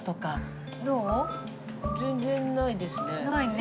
全然ないですね。